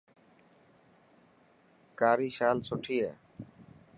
ڪاري شال سٺي هي.